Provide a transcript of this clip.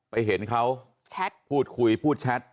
ไปเห็นเค้าพูดคุยพูดแชท